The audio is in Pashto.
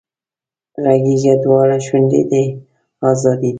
غږېږه دواړه شونډې دې ازادې دي